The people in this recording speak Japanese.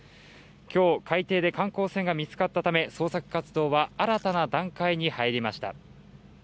今日、海底で観光船が見つかったため、捜索活動は新たな段階に入りました。